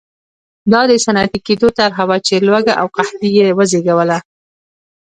دا د صنعتي کېدو طرحه وه چې لوږه او قحطي یې وزېږوله.